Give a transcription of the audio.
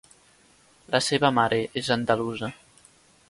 La seva mare és andalusa.